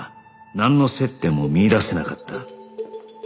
なんの接点も見いだせなかった